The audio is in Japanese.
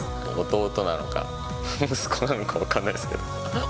弟なのか、息子なのか分かんないですけど。